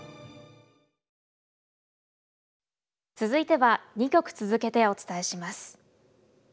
続いては２曲続けてお伝えします。